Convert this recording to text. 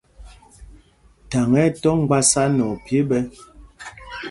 Thaŋ ɛ́ ɛ́ tɔ́ mgbásá nɛ ophyē ɓɛ̄.